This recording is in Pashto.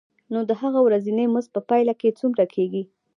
نو د هغه ورځنی مزد په پایله کې څومره کېږي